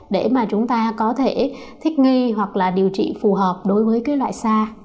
để mà chúng ta có thể thích nghi hoặc là điều trị phù hợp đối với cái loại da